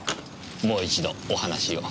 もう一度お話を。